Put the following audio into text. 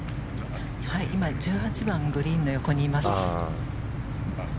今、１８番のグリーンの横にいます。